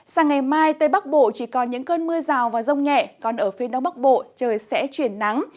sang ngày mai tây bắc bộ chỉ còn những cơn mưa rào và rông nhẹ còn ở phía đông bắc bộ trời sẽ chuyển nắng